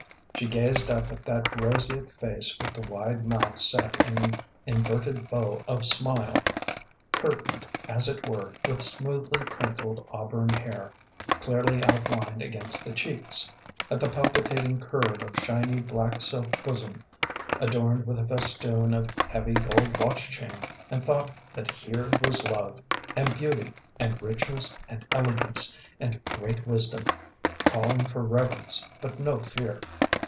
She gazed up in that roseate face with the wide mouth set in an inverted bow of smile, curtained, as it were, with smoothly crinkled auburn hair clearly outlined against the cheeks, at the palpitating curve of shiny black silk bosom, adorned with a festoon of heavy gold watch chain, and thought that here was love, and beauty, and richness, and elegance, and great wisdom, calling for reverence but no fear.